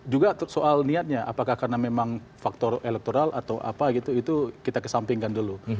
juga soal niatnya apakah karena memang faktor elektoral atau apa gitu itu kita kesampingkan dulu